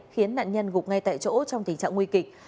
khiến nạn nhân gục ngay tại chỗ trong tình trạng nguy kịch